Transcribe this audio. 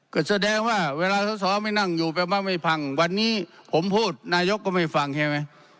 ก็แสดงว่าเวลาสอสอไม่นั่งอยู่แปลว่าไม่พังวันนี้ผมพูดนายกก็ไม่ฟังใช่ไหม